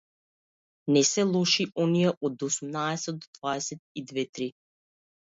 Не се лоши оние од осумнаесет до дваесет и две-три.